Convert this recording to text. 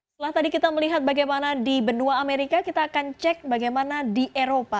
setelah tadi kita melihat bagaimana di benua amerika kita akan cek bagaimana di eropa